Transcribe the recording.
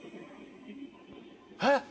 えっ？